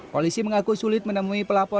polisi mengaku sulit menemui pelapor